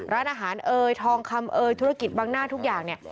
ร้านอาหารเอ่ยทองคำเอ่ยธุรกิจบางหน้าทุกอย่างเนี่ย